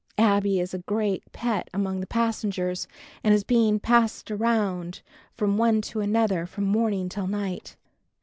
Abbie is a great pet among the passengers and is being passed around from one to another from morning till night.